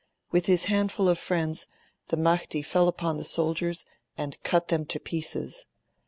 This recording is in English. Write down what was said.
With his handful of friends, the Mahdi fell upon the soldiers and cut them to pieces.